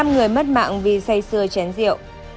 năm người mất mạng vì say sưa chén rượu